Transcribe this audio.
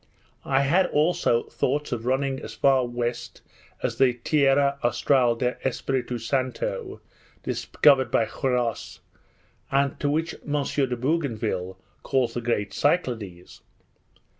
I had also thoughts of running as far west as the Tierra Austral del Espiritu Santo, discovered by Quiros, and which M. de Bougainville calls the Great Cyclades.